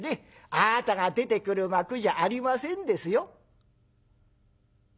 あなたが出てくる幕じゃありませんですよ」。